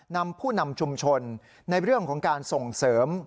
นำผู้นำชุมชนในเรื่องของการส่งเสริม